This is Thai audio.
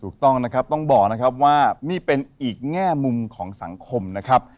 ถูกต้องนะครับต้องบอกนะครับว่านี่เป็นอีกแง่มุมของสังคมนะครับ